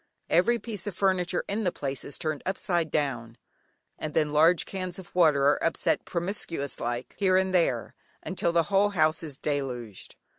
Every piece of furniture in the place is turned upside down, and then large cans of water are upset "promiscuous like" here and there, until the whole house is deluged.